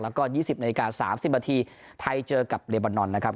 แล้วก็๒๐นาฬิกา๓๐นาทีไทยเจอกับเลบอนอนนะครับ